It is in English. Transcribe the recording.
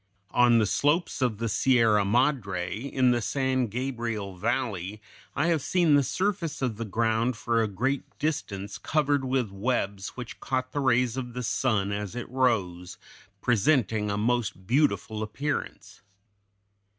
On the slopes of the Sierra Madre, in the San Gabriel Valley, I have seen the surface of the ground for a great distance covered with webs which caught the rays of the sun as it rose, presenting a most beautiful appearance.